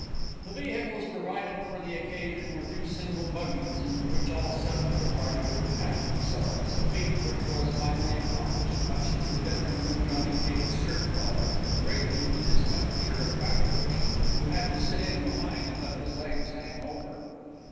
The vehicles provided for the occasion were two single buggies, into which all seven of the party were to pack themselves, a feat which was finally accomplished, much to the detriment of Johnny Cake's shirt collar, and greatly to the discomfiture of Quackenbush, who had to sit in behind, and let his legs hang over.